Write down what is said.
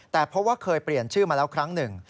แต่เพราะว่าเคยเปลี่ยนชื่อมาแล้วครั้งหนึ่ง